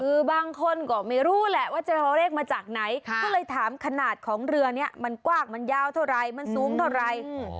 คือบางคนก็ไม่รู้แหละว่าจะเอาเลขมาจากไหนก็เลยถามขนาดของเรือนี้มันกว้างมันยาวเท่าไรมันสูงเท่าไร